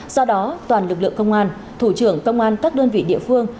do đó toàn lực lượng công an thủ trưởng công an các đơn vị địa phương